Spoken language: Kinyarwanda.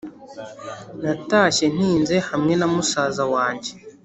natashye ntinze hamwe na musaza wange,